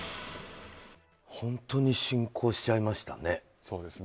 本当に侵攻しちゃいましたね。